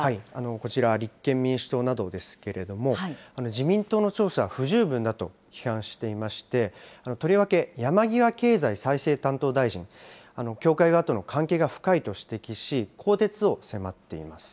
こちら、立憲民主党などですけれども、自民党の調査は不十分だと批判していまして、とりわけ、山際経済再生担当大臣、教会側との関係が深いと指摘し、更迭を迫っています。